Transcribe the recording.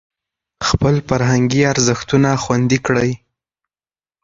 خپل فرهنګي ارزښتونه خوندي کړئ.